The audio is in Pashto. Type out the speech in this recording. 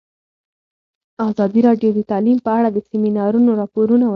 ازادي راډیو د تعلیم په اړه د سیمینارونو راپورونه ورکړي.